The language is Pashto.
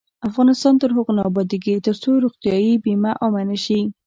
افغانستان تر هغو نه ابادیږي، ترڅو روغتیايي بیمه عامه نشي.